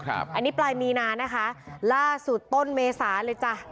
อันนี้ปลายมีนานะคะล่าสุดต้นเมษาเลยจ้ะ